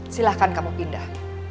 silahkan kamu pindah